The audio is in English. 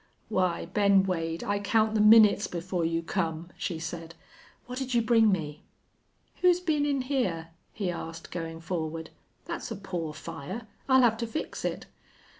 "Why, Ben Wade, I count the minutes before you come," she said. "What'd you bring me?" "Who's been in here?" he asked, going forward. "That's a poor fire. I'll have to fix it."